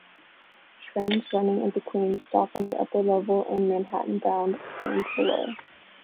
Trains running into Queens stop on the upper level and Manhattan-bound trains below.